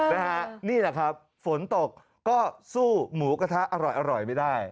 นี่แหละครับฝนตกก็สู้หมูกระทะอร่อยไม่ได้